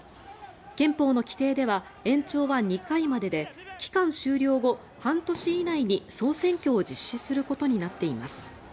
憲法の規定では延長は２回までで期間終了後半年以内に総選挙を実施することになっています。